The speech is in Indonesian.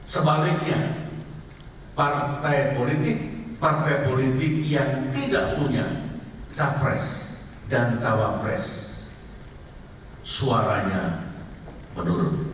sebaliknya partai politik yang tidak punya capres dan cawapres suaranya menurut